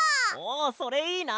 おおそれいいな！